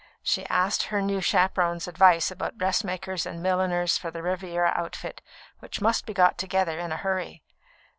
She asked her new chaperon's advice about dressmakers and milliners for the Riviera outfit, which must be got together in a hurry.